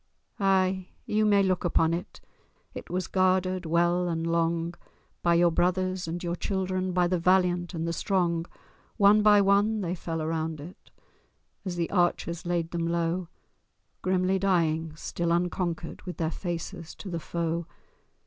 Ay! ye may look upon it— It was guarded well and long, By your brothers and your children, By the valiant and the strong. One by one they fell around it, As the archers laid them low, Grimly dying, still unconquered, With their faces to the foe.